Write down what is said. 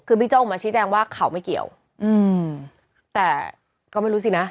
คือบิ๊กโจออกมาชี้แจงว่าเขาไม่เกี่ยวอืมแต่ก็ไม่รู้สินะ